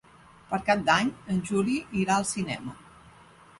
Per Cap d'Any en Juli irà al cinema.